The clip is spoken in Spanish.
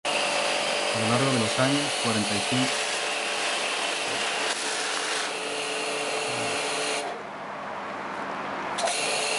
A lo largo de los años cuarenta y cincuenta vivió en París.